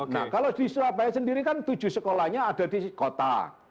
nah kalau di surabaya sendiri kan tujuh sekolahnya ada di kota